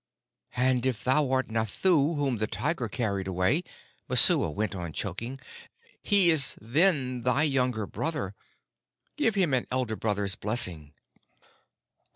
"And if thou art Nathoo whom the tigers carried away," Messua went on, choking, "he is then thy younger brother. Give him an elder brother's blessing."